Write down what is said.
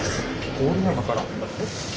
郡山から。